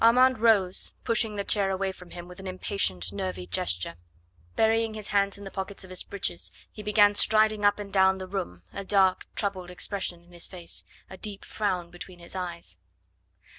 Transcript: Armand rose, pushing the chair away from him with an impatient nervy gesture. Burying his hands in the pockets of his breeches, he began striding up and down the room, a dark, troubled expression in his face, a deep frown between his eyes.